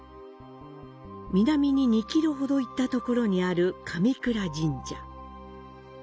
南に２ｋｍほど行ったところにある神倉神社。